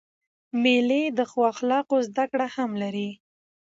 مېلې د ښو اخلاقو زدهکړه هم لري.